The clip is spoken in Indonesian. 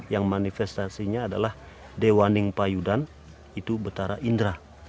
yang manifestasinya adalah dewa ningpa yudan itu betara indra